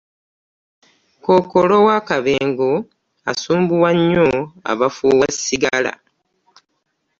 Kokoolo wakabemgo asumbuwa nnyo abafuuwa ssigala .